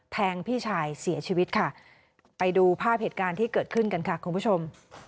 พี่ชายเสียชีวิตค่ะไปดูภาพเหตุการณ์ที่เกิดขึ้นกันค่ะคุณผู้ชม